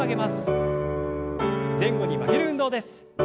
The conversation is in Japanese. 前後に曲げる運動です。